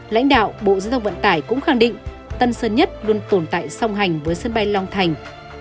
lãnh đạo bộ giao thông vận tải cũng khẳng định tân sơn nhất luôn tồn tại song hành với sân bay long thành